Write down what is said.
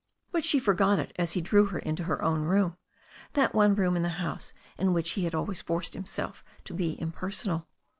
But she forgot it as he drew her into her own room, that one room in the house in which he had always forced himself to be impersonal.